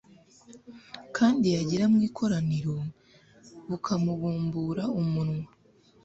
kandi yagera mu ikoraniro, bukamubumbura umunwa